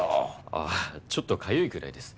ああちょっとかゆいくらいです。